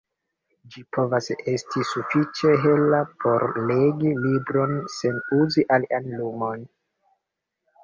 Ĝi povas esti sufiĉe hela por legi libron sen uzi alian lumon.